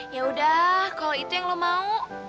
ya udah kalau itu yang lo mau